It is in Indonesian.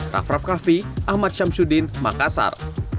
rafraf kahfi ahmad syamsuddin makassar